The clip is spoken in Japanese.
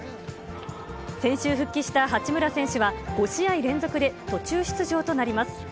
先週復帰した八村選手は、５試合連続で途中出場となります。